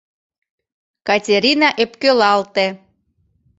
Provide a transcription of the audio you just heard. — Катерина ӧпкелалте.